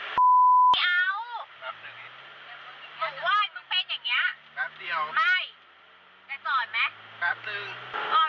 มึงว่ายมึงเป็นอย่างเงี้ยแปปเดียวไม่จะจอดไหมแปปหนึ่ง